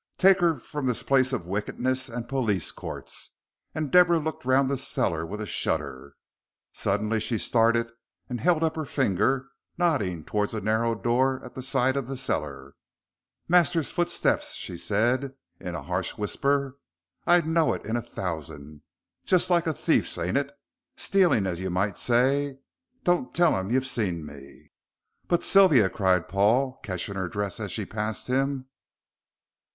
Take her from this place of wickedness and police courts." And Deborah looked round the cellar with a shudder. Suddenly she started and held up her finger, nodding towards a narrow door at the side of the cellar. "Master's footstep," she said in a harsh whisper. "I'd know it in a thousand just like a thief's, ain't it? stealing as you might say. Don't tell him you've seen me." "But Sylvia," cried Paul, catching her dress as she passed him.